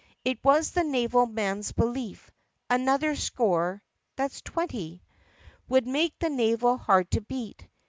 It was the naval man's belief Another score (that 's twenty) Would make the navy hard to beat.